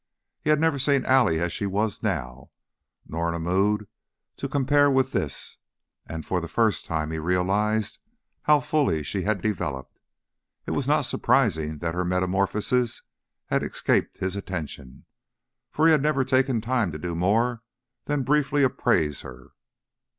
He had never seen Allie as she was now, nor in a mood to compare with this, and for the first time he realized how fully she had developed. It was not surprising that her metamorphosis had escaped his attention, for he had never taken time to do more than briefly appraise her.